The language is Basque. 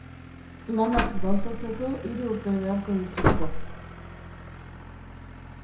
Lanak gauzatzeko hiru urte beharko dituzte.